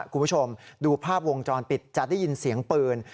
คุณผู้ชมดูภาพวงจรปิดจะได้ยินเสียงปืน